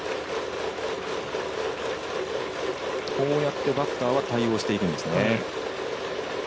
こうやってバッターは対応していくんですね。